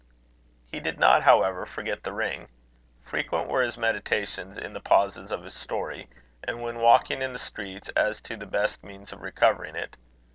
He did not, however, forget the ring. Frequent were his meditations, in the pauses of his story, and when walking in the streets, as to the best means of recovering it.